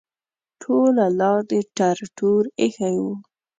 ټوله لار دې ټر ټور ایښی ده.